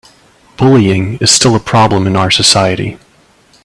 Bullying is still a problem in our society.